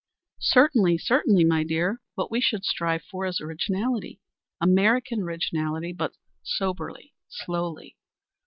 "Certainly, certainly, my dear. What we should strive for is originality American originality; but soberly, slowly.